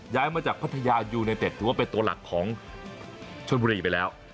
มาจากพัทยายูไนเต็ดถือว่าเป็นตัวหลักของชนบุรีไปแล้ว